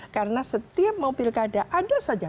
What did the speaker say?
karena setiap mobil pilkada ada saja